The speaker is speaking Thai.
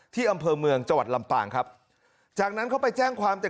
ที่อำเภอเมืองจังหวัดลำปางครับจากนั้นเขาไปแจ้งความแต่